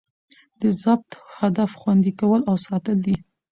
د ضبط هدف؛ خوندي کول او ساتل دي.